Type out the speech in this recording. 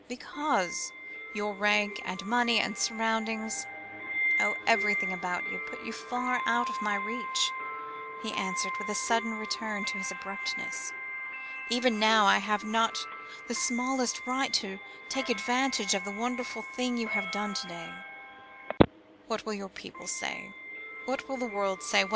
"Because your rank, and money, and surroundings oh! everything about you, put you far out of my reach," he answered, with a sudden return to his old abruptness. "Even now I have not the smallest right to take advantage of the wonderful thing you have done to day. What will your people say? What will the world say?